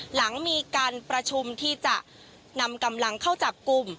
หลังมีการประชุมที่จะนำกำลังเข้าจับกลุ่ม